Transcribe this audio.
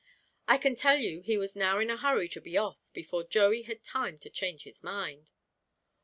I can tell you he was now in a hurry to be off before Joey had time to change his mind.